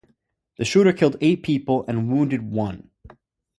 The shooter killed eight people and wounded one.